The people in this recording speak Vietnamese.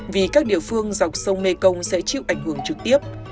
vì các địa phương dọc sông mê công sẽ chịu ảnh hưởng trực tiếp